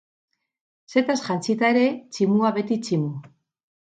Zetaz jantzita ere, tximua beti tximu.